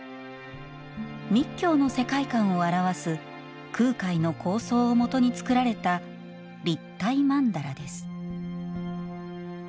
密教の世界観を表す空海の構想を基に造られた立体曼荼羅です。